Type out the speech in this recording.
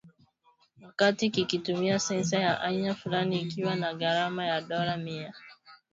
wakati kikitumia sensa ya aina fulani ikiwa na gharama ya dola mia moja hamsini za kimerekani